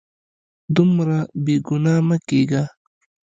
دومره بې ګناه مه کیږه